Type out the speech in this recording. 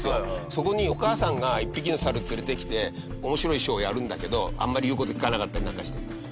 そこに、お母さんが１匹の猿、連れてきて面白いショーをやるんだけどあんまり、言う事聞かなかったりなんかして。